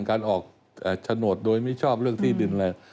การออกโฉนดโดยมิชอบเรื่องที่ดินอะไร